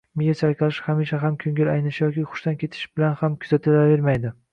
Miya chayqalishi hamisha ham ko‘ngil aynishi yoki hushdan ketish bilan ham kuzatilavermaydi